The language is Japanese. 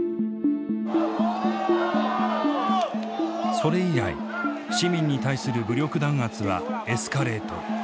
それ以来市民に対する武力弾圧はエスカレート。